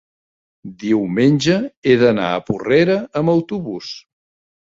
diumenge he d'anar a Porrera amb autobús.